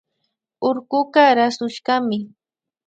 Urkuka rasushkami